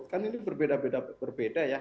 kan ini berbeda ya